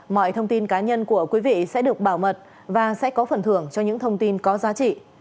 mọi thông tin cá nhân của quý vị sẽ được bảo mật và sẽ có phần thưởng cho những thông tin có giá trị